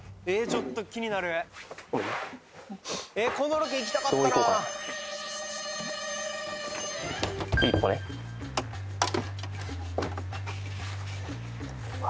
ちょっと気になるこのロケ行きたかったな１歩ねうわ